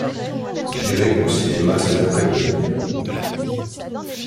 J’irai au cinéma cet après-midi.